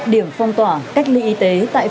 điểm phong tỏa cách ly y tế tại